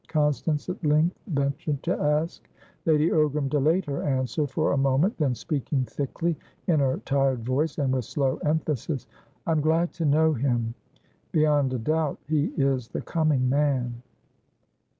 Constance at length ventured to ask. Lady Ogram delayed her answer for a moment, then, speaking thickly in her tired voice, and with slow emphasis: "I'm glad to know him. Beyond a doubt, he is the coming man."